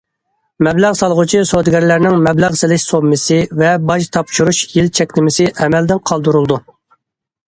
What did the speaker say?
مەبلەغ سالغۇچى سودىگەرلەرنىڭ مەبلەغ سېلىش سوممىسى ۋە باج تاپشۇرۇش يىل چەكلىمىسى ئەمەلدىن قالدۇرۇلىدۇ.